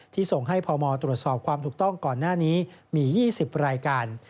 ส่งให้พมตรวจสอบความถูกต้องก่อนหน้านี้มี๒๐รายการ